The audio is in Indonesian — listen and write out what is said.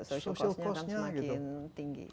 social cost nya akan semakin tinggi